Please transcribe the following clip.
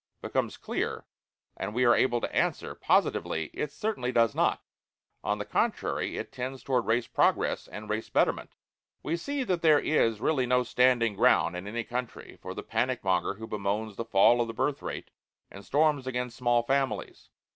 becomes clear, and we are able to answer, positively, "It certainly does not; on the contrary it tends toward Race Progress and Race Betterment." We see that there is really no standing ground in any country for the panic monger who bemoans the fall of the birth rate, and storms against small families.